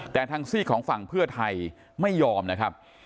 แต่ทางซีกของฝั่งเพื่อไทยไม่ยอมนะครับ